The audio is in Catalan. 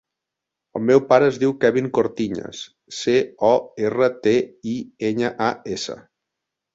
El meu pare es diu Kevin Cortiñas: ce, o, erra, te, i, enya, a, essa.